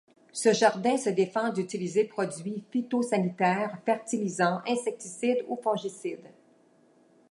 Ce jardin se défend d'utiliser produit phytosanitaire, fertilisant, insecticide ou fongicide.